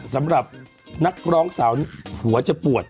สำหรับนักร้องสาวหัวจะปวด